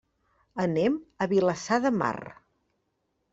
Anem a Vilassar de Mar.